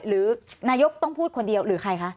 หรือนายกต้องพูดคนเดียวหรือใครคะ